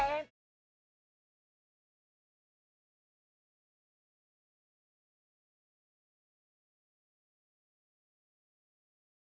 kalian bersih bersih sana